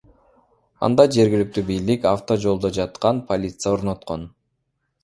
Анда жергиликтүү бийлик авто жолдо жаткан полиция орноткон.